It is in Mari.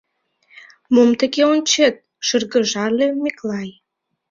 — Мом тыге ончет? — шыргыжале Миклай.